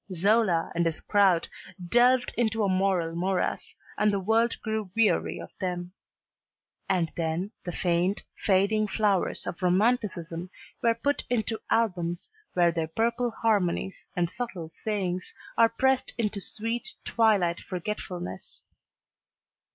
Zola and his crowd delved into a moral morass, and the world grew weary of them. And then the faint, fading flowers of romanticism were put into albums where their purple harmonies and subtle sayings are pressed into sweet twilight forgetfulness.